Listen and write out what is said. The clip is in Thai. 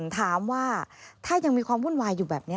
ถามว่าถ้ายังมีความวุ่นวายอยู่แบบนี้